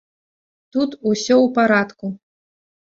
Тут усё ў парадку.